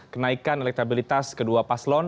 kenaikan elektabilitas kedua paslon